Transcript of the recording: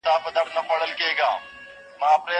مدیر وویل چې راتلونکی ښه دی.